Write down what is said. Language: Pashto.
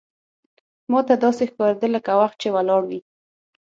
ماته داسې ښکارېدل لکه وخت چې ولاړ وي.